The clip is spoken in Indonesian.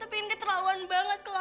tapi ini keterlaluan banget kelampe